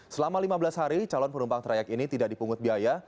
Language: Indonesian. selama lima belas hari calon penumpang trayek ini tidak dipungut biaya